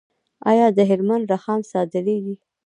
آیا د هلمند رخام صادریږي؟